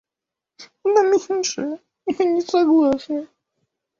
На меньшее мы не согласны.